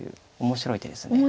面白い手ですね。